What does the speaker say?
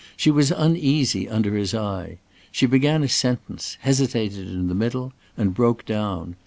She was uneasy under his eye. She began a sentence, hesitated in the middle, and broke down.